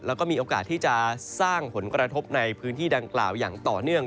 แล้วก็มีโอกาสที่จะสร้างผลกระทบในพื้นที่ดังกล่าวอย่างต่อเนื่อง